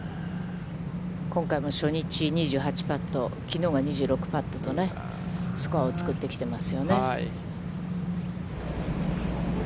今回も初日２８パット、きのうが２６パットと、スコアを作ってきてますよね。